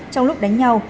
trong lúc đánh nhau